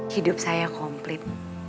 hidup saya komplit